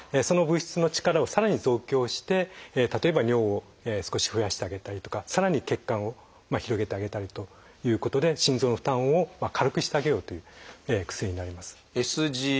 その物質の力をさらに増強して例えば尿を少し増やしてあげたりとかさらに血管を広げてあげたりということで心臓の負担を軽くしてあげようという薬になります。